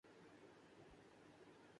دے دے کوئی فیصلہ اپنے حق میں